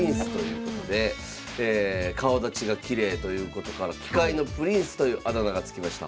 顔だちがきれいということから「棋界のプリンス」というあだ名が付きました。